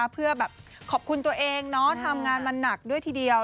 เพื่อแบบขอบคุณตัวเองทำงานมาหนักด้วยทีเดียว